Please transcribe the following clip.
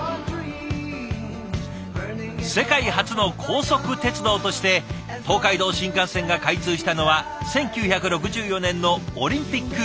世界初の高速鉄道として東海道新幹線が開通したのは１９６４年のオリンピックイヤー。